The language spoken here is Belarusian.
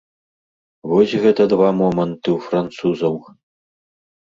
Вось гэта два моманты ў французаў.